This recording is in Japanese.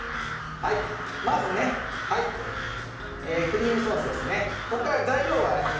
まずクリームソースですね。